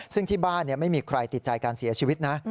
ซึ่งที่บ้านไม่มีใครติดใจการเสียชีวิตนะ